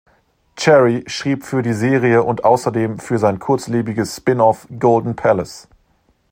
Cherry schrieb für die Serie und außerdem für sein kurzlebiges Spinoff "Golden Palace".